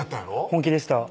本気でした